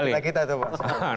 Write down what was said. itu kerjaan kita kita itu pak